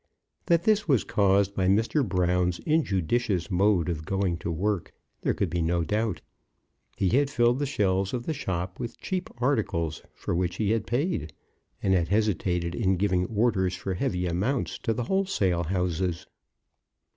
That this was caused by Mr. Brown's injudicious mode of going to work, there could be no doubt. He had filled the shelves of the shop with cheap articles for which he had paid, and had hesitated in giving orders for heavy amounts to the wholesale houses.